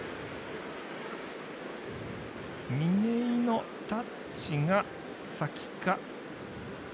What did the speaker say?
嶺井のタッチが先か。